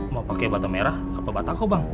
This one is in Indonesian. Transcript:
mau pake batang merah apa batang kok bang